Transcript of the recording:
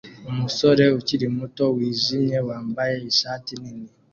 Umusore ukiri muto wijimye wambaye ishati nini